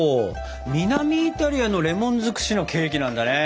南イタリアのレモン尽くしのケーキなんだね。